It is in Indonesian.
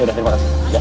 ya udah terima kasih